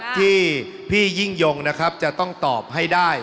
ที่พี่ยิ่งยงนะครับจะต้องตอบให้ได้